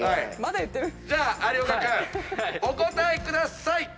じゃあ有岡君お答えください。